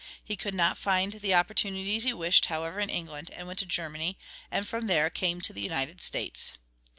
He could not find the opportunities he wished, however, in England, and went to Germany, and from there came to the United States.